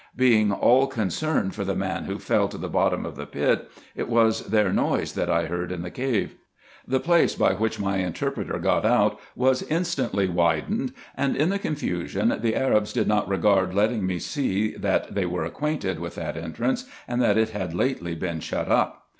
Being all concerned for the man who fell to the bottom of the pit, it was their noise that I heard in the cave. The place by which my interpreter got out was instantly widened ; and in the confusion the Arabs did not regard letting me see that they 54 RESEARCHES AND OPERATIONS were acquainted with that entrance, and that it had lately been shut up.